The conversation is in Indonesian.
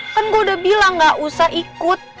kan gue udah bilang gak usah ikut